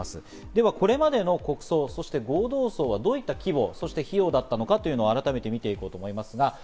ではこれまでの国葬、そして合同葬はどういった規模、そして費用だったのか、改めて見ます。